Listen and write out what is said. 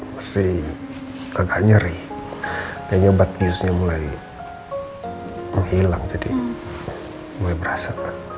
masih agak nyeri kayaknya batiusnya mulai menghilang jadi gue berasa